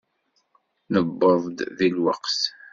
Newweḍ-d di lweqt?